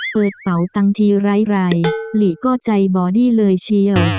เป่าตังค์ทีไร้หลีก็ใจบอดี้เลยเชียว